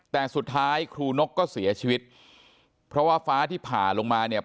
แต่สุดท้ายครูนกก็เสียชีวิตเพราะว่าฟ้าที่ผ่าลงมาเนี่ย